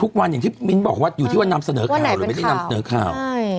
อย่างที่มิ้นบอกว่าอยู่ที่ว่านำเสนอข่าวหรือไม่ได้นำเสนอข่าว